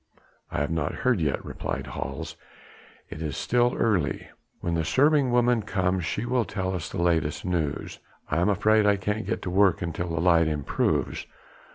"I have not heard yet," replied Hals. "It is still early. When the serving woman comes she will tell us the latest news. I am afraid I can't get to work until the light improves.